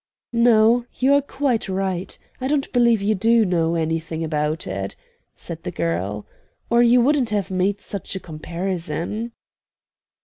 "No; you are quite right. I don't believe you do know anything about it," said the girl, "or you wouldn't have made such a comparison."